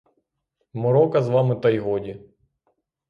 Морока з вами — та й годі!